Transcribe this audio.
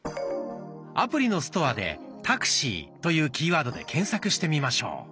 アプリのストアで「タクシー」というキーワードで検索してみましょう。